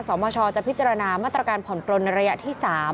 สมชจะพิจารณามาตรการผ่อนปลนระยะที่๓